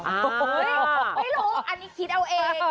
ไม่รู้อันนี้คิดเอาเอง